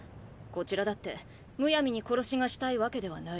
こちらだってむやみに殺しがしたいわけではない。